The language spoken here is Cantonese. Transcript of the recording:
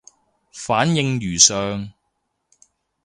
反應如上